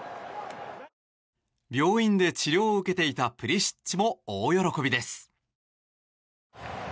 病院で治療を受けていたプリシッチも大喜びです。